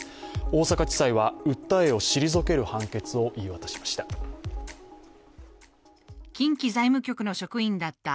大阪地裁は訴えを退ける判決を言い渡しました。